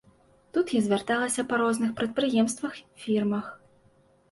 Тут я звярталася па розных прадпрыемствах, фірмах.